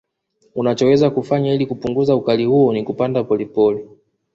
Unachoweza kufanya ili kupunguza ukali huo ni kupanda pole pole